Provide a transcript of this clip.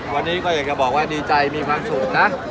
วันนี้ก็อยากจะบอกว่าดีใจมีความสุขนะ